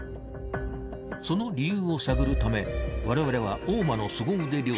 その理由を探るため我々は大間の凄腕